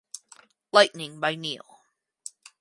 Lighting by Neal.